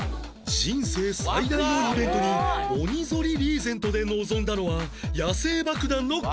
人生最大のイベントに鬼ぞりリーゼントで臨んだのは